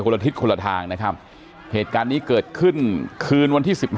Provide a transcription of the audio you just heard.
ละทิศคนละทางนะครับเหตุการณ์นี้เกิดขึ้นคืนวันที่สิบห้า